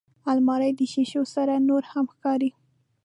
الماري د شیشو سره نورهم ښکاري